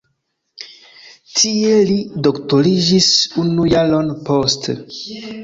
Tie li doktoriĝis unu jaron poste.